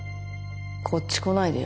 こっち来ないでよ